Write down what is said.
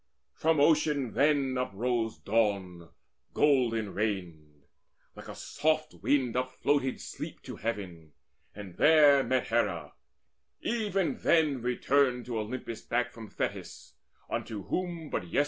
From Ocean then uprose Dawn golden reined: Like a soft wind upfloated Sleep to heaven, And there met Hera, even then returned To Olympus back from Tethys, unto whom But yester morn she went.